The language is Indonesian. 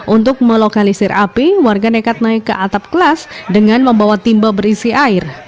untuk melokalisir api warga nekat naik ke atap kelas dengan membawa timba berisi air